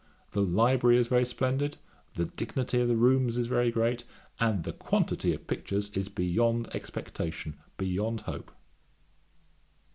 The library is very splendid: the dignity of the rooms is very great; and the quantity of pictures is beyond expectation, beyond hope.'